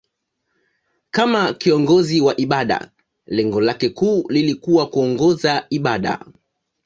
Kama kiongozi wa ibada, lengo lake kuu lilikuwa kuongoza ibada.